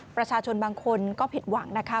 ประชาชนบางคนก็ผิดหวังนะคะ